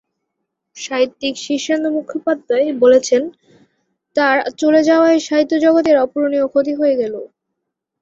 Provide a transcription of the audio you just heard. সাহিত্যিক শীর্ষেন্দু মুখোপাধ্যায় বলেছেন, তাঁর চলে যাওয়ায় সাহিত্যজগতের অপূরণীয় ক্ষতি হয়ে গেল।